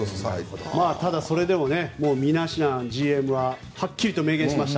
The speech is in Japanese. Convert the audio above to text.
ただ、それでもミナシアンＧＭははっきりと明言しました。